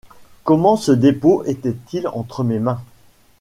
Comment ce dépôt était-il entre mes mains?